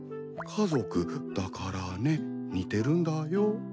家族だからね似てるんだよ。